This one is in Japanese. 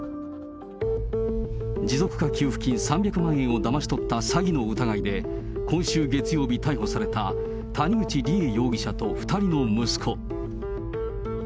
持続化給付金３００万円をだまし取った詐欺の疑いで、今週月曜日逮捕された、谷口梨恵容疑者と２人の息子。